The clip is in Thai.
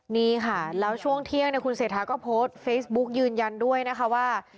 นี่ค่ะแล้วช่วงเที่ยงคุณเศรษฐาก็โพสต์เฟซบุ๊กยืนยันด้วยนะคะว่า